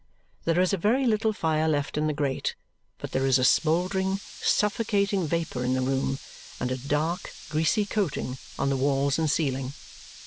There is a very little fire left in the grate, but there is a smouldering, suffocating vapour in the room and a dark, greasy coating on the walls and ceiling.